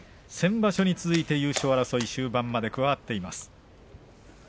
先場所に続いて優勝争い終盤まで加わっています。